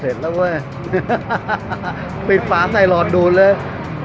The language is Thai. เห็นแล้วเว้ยปิดฝาใส่หลอดดูดเลย